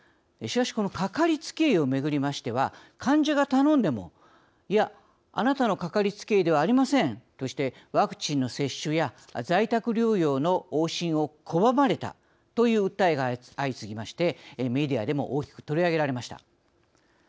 しかしこのかかりつけ医を巡りましては患者が頼んでも「いやあなたのかかりつけ医ではありません」としてワクチンの接種や在宅療養の往診を拒まれたという訴えが相次ぎましてメディアでも大きく取り上げられました。